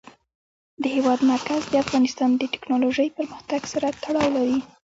د هېواد مرکز د افغانستان د تکنالوژۍ پرمختګ سره تړاو لري.